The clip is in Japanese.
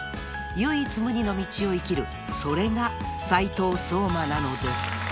［唯一無二の道を生きるそれが斉藤壮馬なのです］